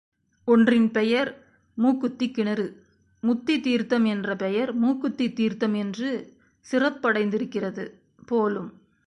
ஒன்றின் பெயர் மூக்குத்திக் கிணறு, முத்தி தீர்த்தம் என்ற பெயர் மூக்குத்தி தீர்த்தம் என்று சிறப்படைந்திருக்கிறது போலும்!